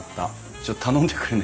ちょっと頼んでくるね。